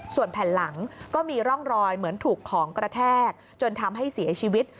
ส่วนแผ่นหลังก็มีร่องรอยเหมือนถูกของกระแทกจนทำให้เสียชีวิต